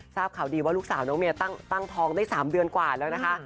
ทราบข่าวดีว่าลูกสาวน้องเมียตั้งท้องได้๓เดือนกว่าแล้วนะคะ